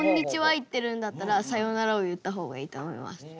言ってるんだったら「さようなら」を言った方がいいと思います。